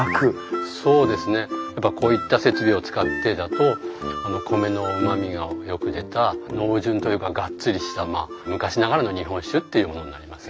そうですねやっぱこういった設備を使ってだと米のうまみがよく出た濃醇というかがっつりしたまあ昔ながらの日本酒っていうものになりますね。